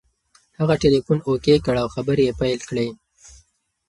هغه ټلیفون اوکې کړ او خبرې یې پیل کړې.